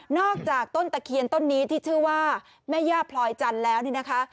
จากต้นตะเคียนต้นนี้ที่ชื่อว่าแม่ย่าพลอยจันทร์แล้วนี่นะคะ